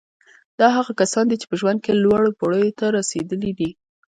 دا هغه کسان دي چې په ژوند کې لوړو پوړیو ته رسېدلي دي